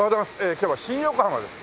今日は新横浜です。